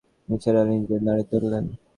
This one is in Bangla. নিসার আলি নিজের নাড়ি ধরলেন।